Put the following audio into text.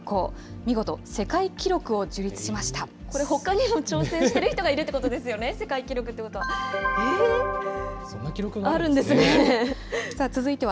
見事、世界記録これ、ほかにも挑戦している人がいるってことですよね、世界記録っていうことは。